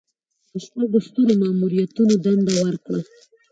د شپږو سترو ماموریتونو دنده ورکړه.